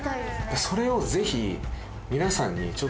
それをぜひ。